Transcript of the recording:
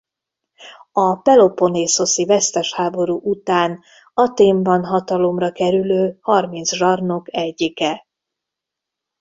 A peloponnészoszi vesztes háború után Athénban hatalomra kerülő harminc zsarnok egyike.